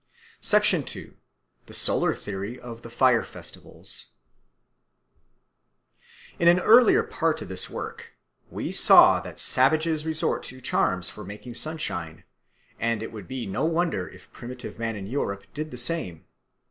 2. The Solar Theory of the Fire festivals IN AN EARLIER part of this work we saw that savages resort to charms for making sunshine, and it would be no wonder if primitive man in Europe did the same.